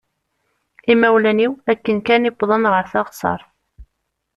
Imawlan-iw akken kan i d-wwḍen ɣer teɣsert.